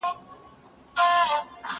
چي پر سر د دې غريب دئ كښېنستلى